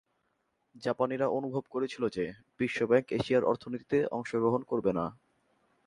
জাপানীরা অনুভব করেছিল যে, বিশ্বব্যাংক এশিয়ার অর্থনীতিতে অংশগ্রহণ করবে না।